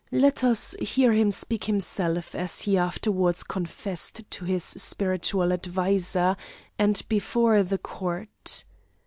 Let us hear him speak himself, as he afterwards confessed to his spiritual adviser, and before the court.